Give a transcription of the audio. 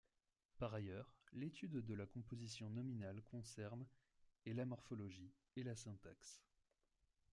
Par ailleurs, l'étude de la composition nominale concerne et la morphologie, et la syntaxe.